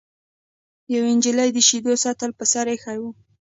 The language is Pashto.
یوې نجلۍ د شیدو سطل په سر ایښی و.